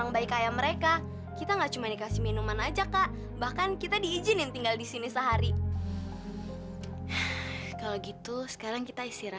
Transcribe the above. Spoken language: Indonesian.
nak lintang sama nak dita mengineplah bareng satu malam di sini